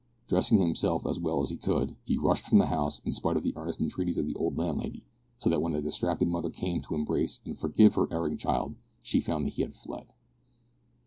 Dressing himself as well as he could, he rushed from the house in spite of the earnest entreaties of the old landlady, so that when the distracted mother came to embrace and forgive her erring child she found that he had fled.